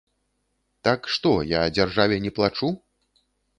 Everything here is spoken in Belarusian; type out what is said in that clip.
Так што, я дзяржаве не плачу?